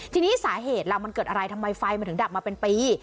ทีนี้สาเหตุล่ะมันเกิดอะไรทำไมไฟมันถึงดับมาเป็นปี